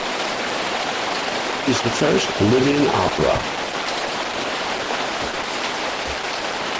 It is the first Bolivian opera.